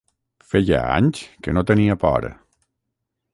Feia anys que no tenia por.